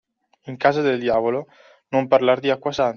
In casa del diavolo non parlar di acqua santa.